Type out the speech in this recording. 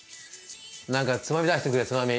何かつまみ出してくれつまみ。